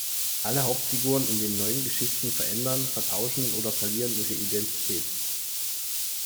Alle Hauptfiguren in den neun Geschichten verändern, vertauschen oder verlieren ihre Identität.